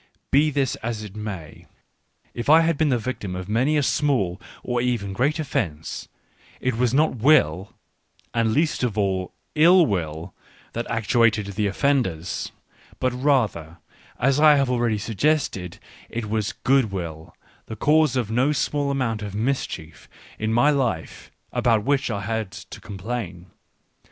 ... Be this as it may, if I have been the victim of many a small or even great offence, it was not " will," and least of all /// will that actuated the offenders ; but rather, as I have already suggested, it was good will, the cause of no small amount of mischief in my life, about which I had to complain.